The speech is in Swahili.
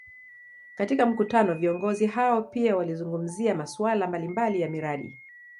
Katika mkutano viongozi hao pia walizungumzia masuala mbalimbali ya miradi